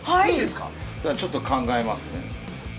じゃあちょっと考えますね。